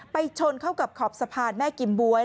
ชนเข้ากับขอบสะพานแม่กิมบ๊วย